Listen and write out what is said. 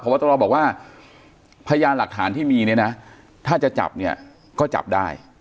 วัตรบอกว่าพยานหลักฐานที่มีเนี่ยนะถ้าจะจับเนี่ยก็จับได้